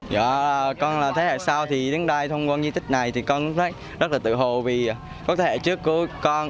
dạ con là thế hệ sau thì đến đây thông quan di tích này thì con rất là tự hồ vì có thế hệ trước của con